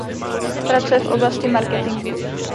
Pracuje v oblasti marketingu.